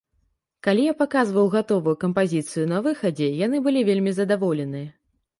Калі я паказваў гатовую кампазіцыю на выхадзе, яна была вельмі задаволеная.